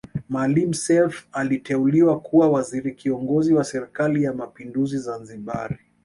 Maalim Self aliteuliwa kuwa waziri kiongozi wa serikali ya mapinduzi Zanzibari